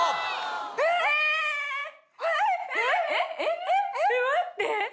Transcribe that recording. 蓮えっ待って！